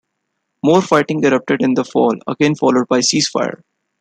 More fighting erupted in the fall, again followed by a ceasefire.